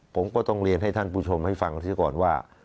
ผมก็ต้องเรียนให้ท่านผู้ชมให้ฟังเสียก่อนว่า